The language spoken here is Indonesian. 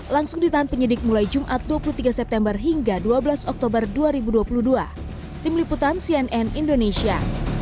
langsung ditahan penyidik mulai jumat dua puluh tiga september hingga dua belas oktober dua ribu dua puluh dua tim liputan cnn indonesia